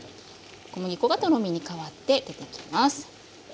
小麦粉がとろみに変わって出てきます。